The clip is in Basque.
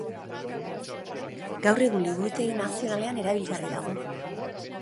Gaur egun Liburutegi Nazionalean erabilgarri dago.